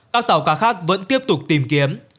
các tàu cá khác vẫn tiếp tục tìm kiếm